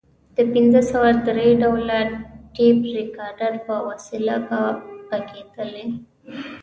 د پنځه سوه درې ډوله ټیپ ریکارډر په وسیله به غږېدلې.